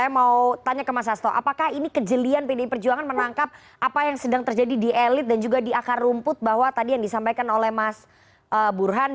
saya mau tanya ke mas hasto apakah ini kejelian pdi perjuangan menangkap apa yang sedang terjadi di elit dan juga di akar rumput bahwa tadi yang disampaikan oleh mas burhan